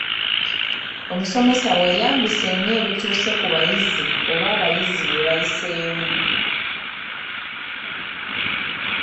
Omusomesa weeyambise nnyo ebituuse ku bayizi oba abayizi bye bayiseemu.